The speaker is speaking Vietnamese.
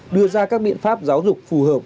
đưa ra các biện pháp giáo dục phù hợp